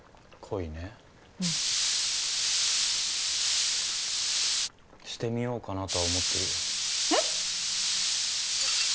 恋ねうんしてみようかなとは思ってるよえっ！？